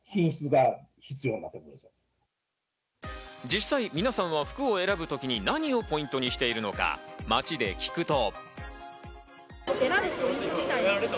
実際、皆さんは服を選ぶときに何をポイントにしてるのか、街で聞くと。